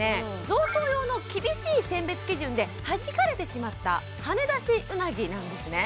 贈答用の厳しい選別基準ではじかれてしまったはねだしうなぎなんですね